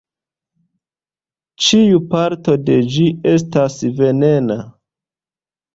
Ĉiu parto de ĝi estas venena.